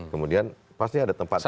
kemudian pasti ada tempat